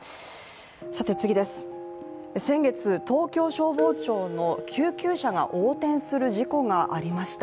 先月、東京消防庁の救急車が横転する事故がありました。